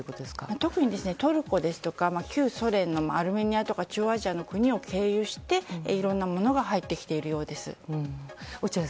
特にトルコですとか旧ソ連のアルメニアとか中央アジアの国を経由して、いろんなものが入ってきているようです。